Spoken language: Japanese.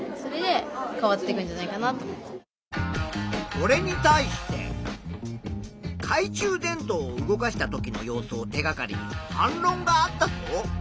これに対してかい中電灯を動かしたときの様子を手がかりに反ろんがあったぞ。